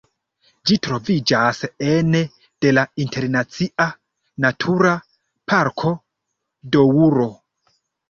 Ĝi troviĝas ene de la Internacia Natura Parko Doŭro.